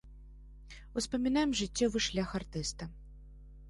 Успамінаем жыццёвы шлях артыста.